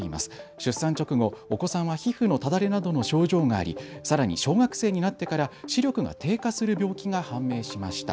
出産直後、お子さんは皮膚のただれなどの症状がありさらに小学生になってから視力が低下する病気が判明しました。